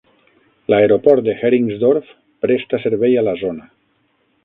L'aeroport de Heringsdorf presta servei a la zona.